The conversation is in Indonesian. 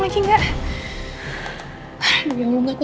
gak sama aku juga gue